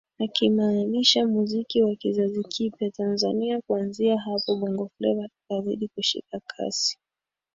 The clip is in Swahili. akimaanisha muziki wa kizazi kipya Tanzania Kuanzia hapo Bongo Fleva ikazidi kushika kasi